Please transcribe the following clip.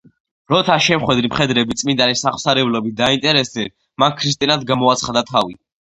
როცა შემხვედრი მხედრები წმინდანის აღმსარებლობით დაინტერესდნენ, მან ქრისტიანად გამოაცხადა თავი.